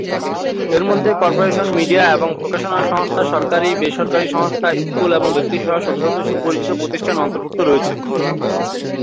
এর মধ্যে corporation, media এবং প্রকাশনা সংস্থা, সরকারী, বেসরকারি সংস্থা, স্কুল এবং ব্যক্তি সহ শত শত সুপরিচিত প্রতিষ্ঠান অন্তর্ভুক্ত রয়েছে।